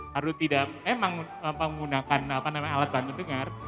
kalau tidak memang menggunakan alat bantu dengar